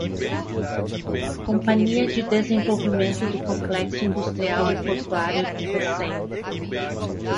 Companhia de Desenvolvimento do Complexo Industrial e Portuário do Pecém